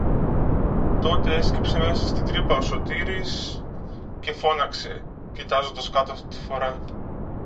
Τότε έσκυψε μες στην τρύπα ο Σωτήρης, και φώναξε, κοιτάζοντας κάτω αυτή τη φορά: